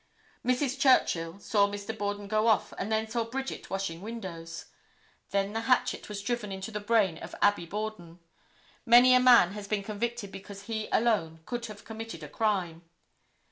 Mrs. Churchill saw Mr. Borden go off and then saw Bridget washing windows. Then the hatchet was driven into the brain of Abby Borden. Many a man has been convicted because he alone could have committed a crime.